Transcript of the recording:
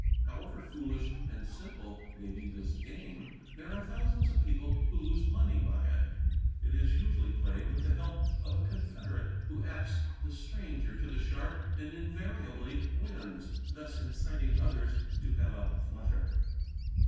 However foolish and simple may be this game, there are thousands of people who lose money by it. It is usually played with the help of a confederate who acts the stranger to the sharp and invariably wins, thus inciting others to have a flutter.